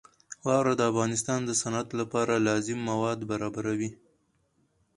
واوره د افغانستان د صنعت لپاره لازم مواد برابروي.